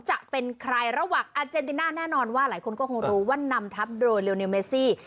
จะเป็นใครระหว่างอาเจนติน่าแน่นอนว่าหลายคนก็คงรู้ว่านำทัพโดยเร็วเนลเมซี่